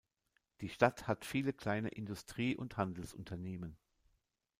Die Stadt hat viele kleine Industrie- und Handelsunternehmen.